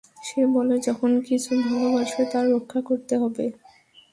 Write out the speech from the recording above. সে বলে, যখন কিছু ভালোবাসবে, তার রক্ষা করতে হবে।